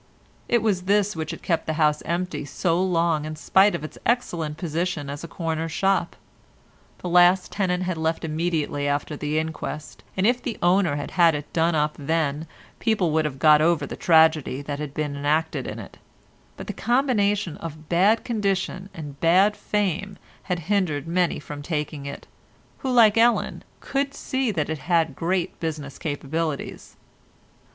It was this which had kept the house empty so long in spite of its excellent position as a corner shop. The last tenant had left immediately after the inquest, and if the owner had had it done up then people would have got over the tragedy that had been enacted in it, but the combination of bad condition and bad fame had hindered many from taking it, who like Ellen, could see that it had great business capabilities.